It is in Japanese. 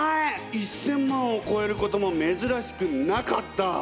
１，０００万を超えることも珍しくなかった！